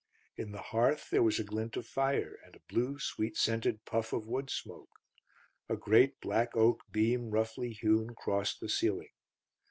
In the hearth there was a glint of fire and a blue, sweet scented puff of wood smoke; a great black oak beam roughly hewn crossed the ceiling.